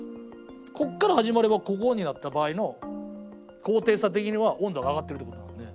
こっから始まればここになった場合の高低差的には温度が上がってるってことなんで。